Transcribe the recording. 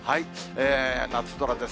夏空です。